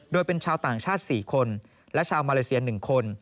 โดยเป็นชาวต่างชาติ๔คนและชาวมาเลเซีย๑คน